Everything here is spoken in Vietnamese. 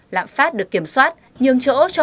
lạm phát được kiểm soát nhường chỗ cho